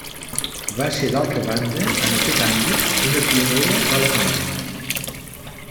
Va ser d'altra banda, en aquest àmbit, una pionera a Alemanya.